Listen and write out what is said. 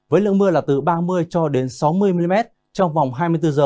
với lượng mưa là từ ba mươi cho đến sáu mươi mm trong vòng hai mươi bốn h